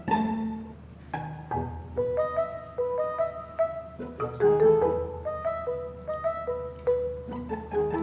tidak ingin nyari